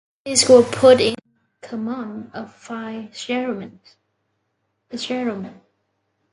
He was put in command of five regiments.